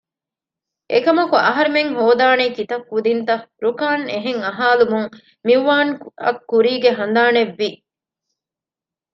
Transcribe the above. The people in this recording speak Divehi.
އެކަމަކު އަހަރެމެން ހޯދާނީ ކިތައް ކުދިންތަ؟ ރުކާން އެހެން އަހާލުމުން މިއުވާންއަށް ކުރީގެ ހަނދާނެއްވި